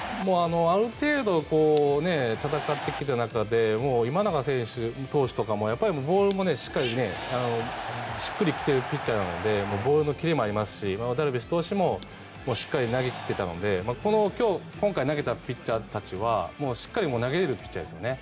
ある程度戦ってきた中で今永投手とかもボールもしっかりしっくり来ているピッチャーなのでボールのキレもありますしダルビッシュ投手もしっかり投げ切ってたので今回投げたピッチャーたちはしっかり投げれるピッチャーですよね。